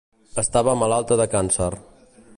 Estava malalta de càncer.